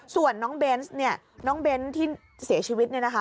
ส่วนน้องเบ้นท์ที่เสียชีวิตนี่นะคะ